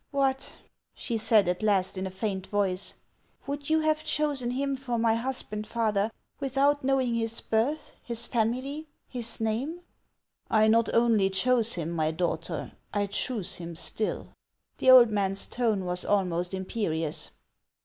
" What !" she said at last in a faint voice, " would you have chosen him for my husband, father, without knowing his birth, his family, his name ?"" I not only chose him, my daughter, I choose him still." The old man's tone was almost imperious.